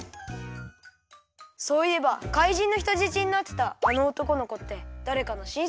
そういえば怪人のひとじちになってたあのおとこのこってだれかのしんせきかな？